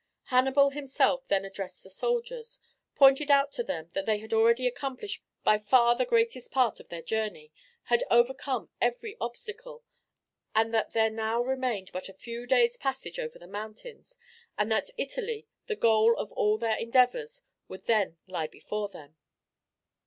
Hannibal himself then addressed the soldiers, pointed out to them that they had already accomplished by far the greatest part of their journey, had overcome every obstacle, and that there now remained but a few days' passage over the mountains, and that Italy, the goal of all their endeavours, would then lie before them.